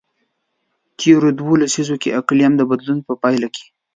تیرو دوو لسیزو کې د اقلیم د بدلون په پایله کې.